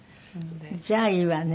じゃあいいわね。